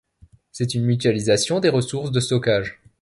C'est une mutualisation des ressources de stockage.